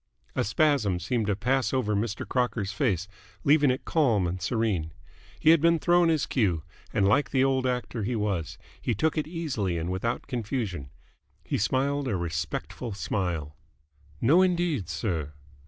A spasm seemed to pass over Mr. Crocker's face, leaving it calm and serene. He had been thrown his cue, and like the old actor he was he took it easily and without confusion. He smiled a respectful smile. "No, indeed, sir."